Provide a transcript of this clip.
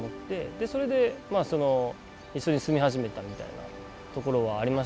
でそれでまあその一緒に住み始めたみたいなところはありましたね。